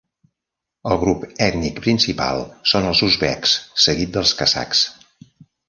El grup ètnic principal són els uzbeks, seguit dels kazakhs.